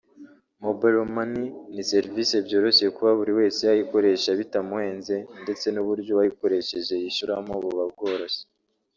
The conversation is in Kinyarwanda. Mobile Money ni serivisi byoroshye kuba buri wese yayikoresha bitamuhenze ndetse n’uburyo uwayikoresheje yishyuramo buba bworoshye